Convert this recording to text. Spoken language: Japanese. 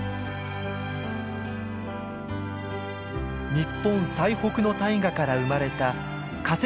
日本最北の大河から生まれた河跡